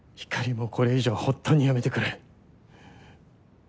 もうこれ以上は本当にやめてくれ。